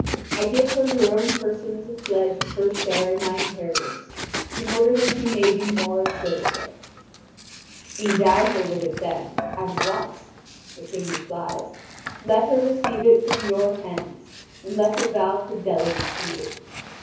I give her your own person as a pledge of her share in my inheritance, in order that she may be more assured of it." "Endow her with it, then, at once," the King replies; "let her receive it from your hands, and let her vow fidelity to you!